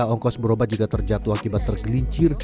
ongkos berobat jika terjatuh akibat tergelincir